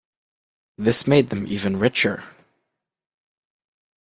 This made them even richer.